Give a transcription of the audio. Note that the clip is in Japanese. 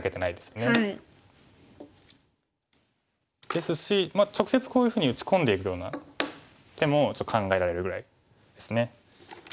ですし直接こういうふうに打ち込んでいくような手も考えられるぐらいですね。